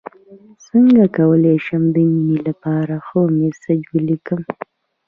څنګه کولی شم د مینې لپاره ښه میسج ولیکم